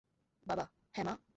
বাবা - হ্যাঁ, মা?